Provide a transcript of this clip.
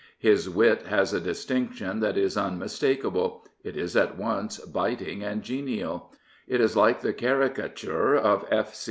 His wit has a distinction that is un mistakable. It is at once biting and genial. It is like the caricature of " F.